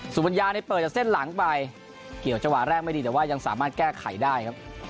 สุปัญญาเนี่ยเปิดจากเส้นหลังไปเกี่ยวจังหวะแรกไม่ดีแต่ว่ายังสามารถแก้ไขได้ครับ